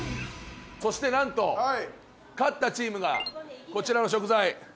そしてなんと勝ったチームがこちらの食材全ていただけます。